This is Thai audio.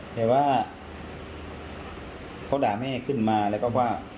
แต่ว่าเขาด่าแม่ขึ้นมาแล้วก็ว่า